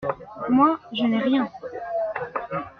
Moi, je n’ai rien !